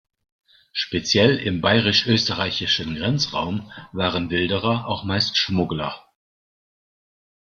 Speziell im bayerisch-österreichischen Grenzraum waren Wilderer auch meist Schmuggler.